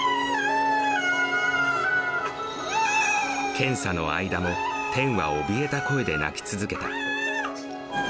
検査の間も、天はおびえた声で鳴き続けた。